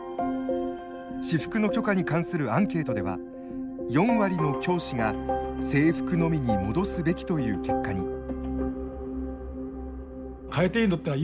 私服の許可に関するアンケートでは４割の教師が制服のみに戻すべきという結果に。